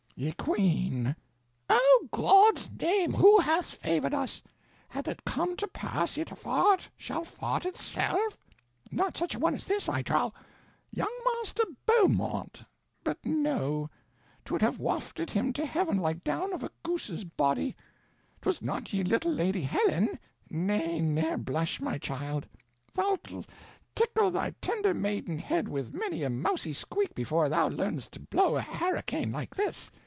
Ye Queene. O' God's name, who hath favored us? Hath it come to pass yt a fart shall fart itself? Not such a one as this, I trow. Young Master Beaumont but no; 'twould have wafted him to heaven like down of goose's boddy. 'Twas not ye little Lady Helen nay, ne'er blush, my child; thoul't tickle thy tender maidenhedde with many a mousie squeak before thou learnest to blow a harricane like this.